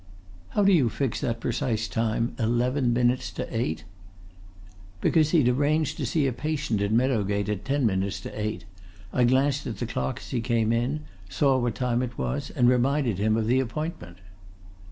"How do you fix that precise time eleven minutes to eight?" "Because he'd arranged to see a patient in Meadow Gate at ten minutes to eight. I glanced at the clock as he came in, saw what time it was, and reminded him of the appointment."